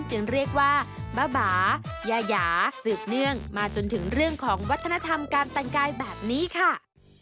จึงเรียกว่าบ้าบายายาสืบเนื่องมาจนถึงเรื่องของวัฒนธรรมการแต่งกายแบบนี้ค่ะ